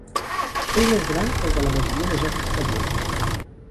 És més gran que el de la majoria de jocs de tablut.